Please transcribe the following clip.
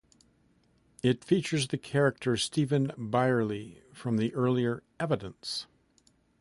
It features the character Stephen Byerley from the earlier "Evidence".